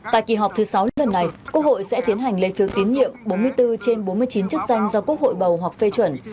tại kỳ họp thứ sáu lần này quốc hội sẽ tiến hành lấy phiếu tín nhiệm bốn mươi bốn trên bốn mươi chín chức danh do quốc hội bầu hoặc phê chuẩn